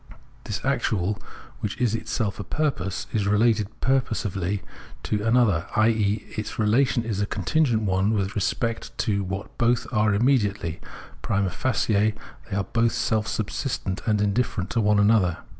This actual, which is itself a purpose, is related purposively to an other, i.e. its relation is a contingent one with respect to what both are immediately ; prima facie they are both self subsistent and indifferent to one another.